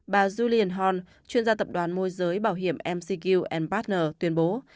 bà julian horn chuyên gia tập đoàn môi giới bảo hiểm mcq partners tuyên bố